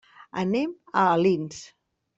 Anem a Alins.